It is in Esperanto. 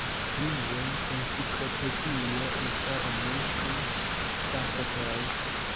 Unue, enciklopedio informu pri faktoj.